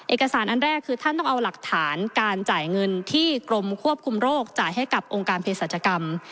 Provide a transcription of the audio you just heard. เอกสารอันแรกคือท่านต้องเอาหลักฐานการจ่ายเงินที่กรมควบคุมโรคจ่ายให้กับองค์การเพศรัชกรรม